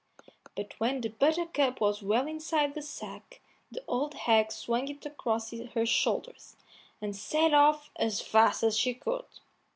But when Buttercup was well inside the sack the old hag swung it across her shoulders, and set off as fast as she could.